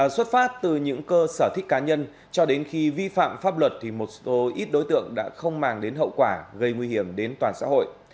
xuất phát từ những cơ sở thích cá nhân cho đến khi vi phạm pháp luật thì một số ít đối tượng đã không mang đến hậu quả gây nguy hiểm đến toàn xã hội